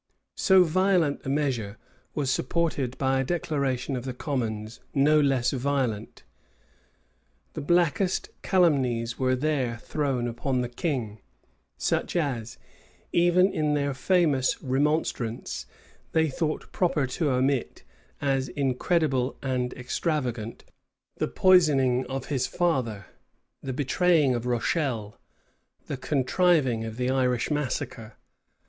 So violent a measure was supported by a declaration of the commons no less violent. The blackest calumnies were there thrown upon the king; such as, even in their famous remonstrance, they thought proper to omit, as incredible and extravagant: the poisoning of his father, the betraying of Rochelle, the contriving of the Irish massacre.